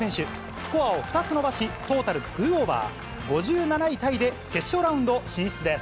スコアを２つ伸ばし、トータル２オーバー、５７位タイで決勝ラウンド進出です。